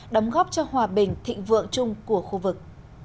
đóng góp cho hòa bình thịnh vượng chung của khu vực